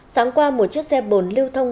sáng qua một chiếc xe bồn lưu thông